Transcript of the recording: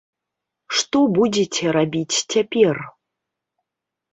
Што будзеце рабіць цяпер?